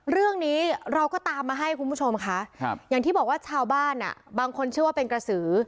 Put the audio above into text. เรื่องนี้เราก็ตามมาให้คุณผู้ชมค่ะอย่างที่บอกว่าชาวบ้านบางคนเชื่อว่าเป็นกระสือ